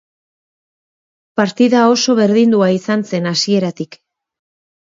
Partida oso berdindua izan zen hasieratik.